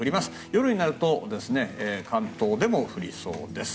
夜になると関東でも降りそうです。